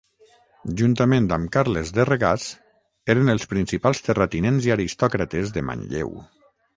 Juntament amb Carles de Regàs eren els principals terratinents i aristòcrates de Manlleu.